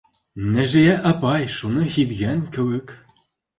Нәжиә апай, шуны һиҙгән кеүек: